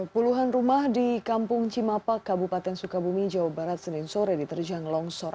puluhan rumah di kampung cimapak kabupaten sukabumi jawa barat senin sore diterjang longsor